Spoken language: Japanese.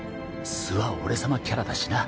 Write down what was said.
素は俺様キャラだしな。